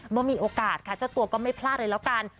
เมื่อมีโอกาสค่ะเจ้าตัวก็ไม่พลาดเลยแล้วกัน